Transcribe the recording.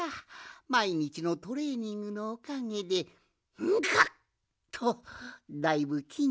まいにちのトレーニングのおかげでガッとだいぶきんにくがついてきたわい。